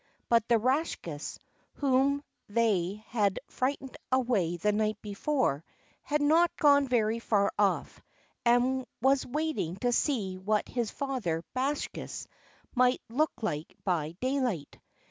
But the Rakshas, whom they had frightened away the night before, had not gone very far off, and was waiting to see what his father Bakshas might look like by daylight.